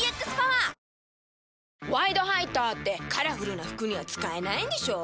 「ワイドハイター」ってカラフルな服には使えないんでしょ？